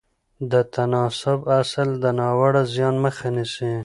د تناسب اصل د ناوړه زیان مخه نیسي.